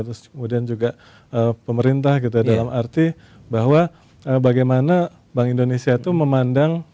terus kemudian juga pemerintah gitu dalam arti bahwa bagaimana bank indonesia itu memandang